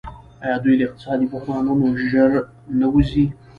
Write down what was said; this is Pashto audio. آیا دوی له اقتصادي بحرانونو ژر نه وځي؟